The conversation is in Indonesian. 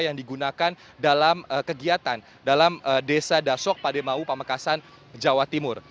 yang digunakan dalam kegiatan dalam desa dasok pademau pamekasan jawa timur